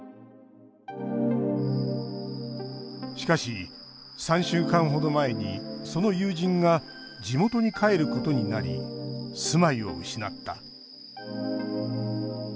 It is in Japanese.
しかし、３週間ほど前にその友人が地元に帰ることになり住まいを失った。